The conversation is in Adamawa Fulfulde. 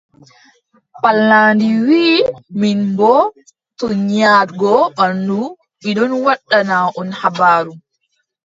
Pallandi wii, min boo, to nyaaɗgo ɓanndu, mi ɗon waddana on habaru.